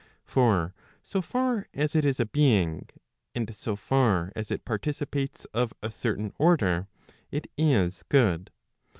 For so far as it is a being, and so far as it participates of a certain order, it is good.